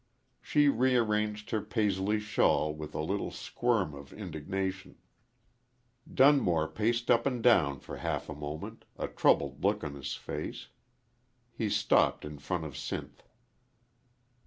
She rearranged her Paisley shawl with a little squirm of indignation. Dunmore paced up and down for half a moment, a troubled look on his face. He stopped in front of Sinth.